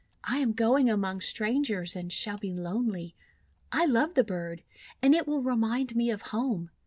I am going among strangers, and shall be lonely. I love the bird, and it will remind me of home.